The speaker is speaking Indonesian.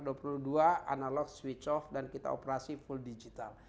kita lakukan analog switch off dan kita operasi full digital